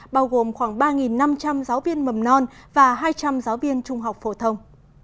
bao gồm khoảng ba năm trăm linh giáo viên mầm non và hai trăm linh giáo viên trung học phổ thông